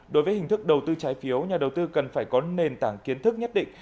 đối với hình thức đầu tư trái phiếu nhà đầu tư cần phải có nền tảng kiến thức nhất định